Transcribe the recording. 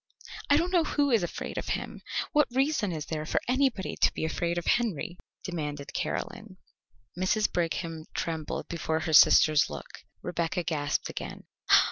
"I don't know who is afraid of him! What reason is there for anybody to be afraid of Henry?" demanded Caroline. Mrs. Brigham trembled before her sister's look. Rebecca gasped again.